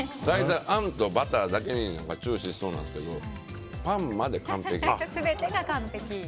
大体、あんとバターだけに注視しそうなんですけどパンまで完璧。